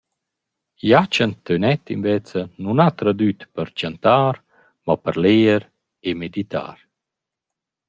Jachen Tönett invezza nun ha tradüt per chantar, mo per leger e meditar.